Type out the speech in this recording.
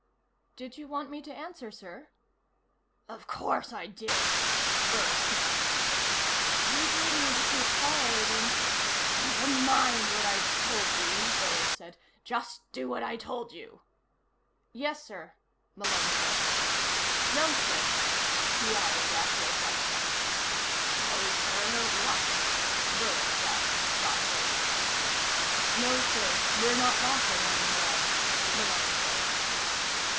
"Did you want me to answer, sir?" "Of course I did!" Burris snapped. "You told me to keep quiet and " "Never mind what I told you," Burris said. "Just do what I told you." "Yes, sir," Malone said. "No, sir," he added after a second. "No, sir, what?" Burris asked softly. "No, sir, we're not laughing any more," Malone said.